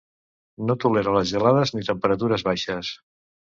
No tolera les gelades ni temperatures baixes.